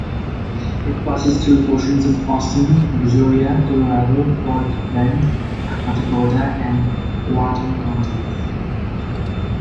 It passes through portions of Austin, Brazoria, Colorado, Fort Bend, Matagorda and Wharton counties.